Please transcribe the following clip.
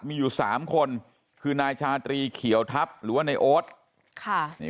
มีอยู่๓คนคือนายชาตรีเขียวทัพหรือว่าในโอ๊ต